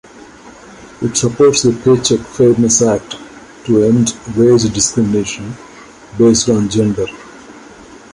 It supports the Paycheck Fairness Act to end wage discrimination based on gender.